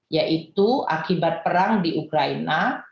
yaitu akibat perang di ukraina